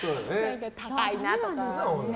高いなとか。